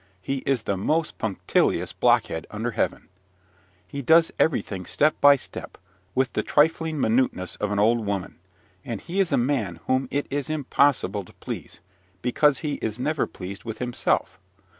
He is the most punctilious blockhead under heaven. He does everything step by step, with the trifling minuteness of an old woman; and he is a man whom it is impossible to please, because he is never pleased with himself.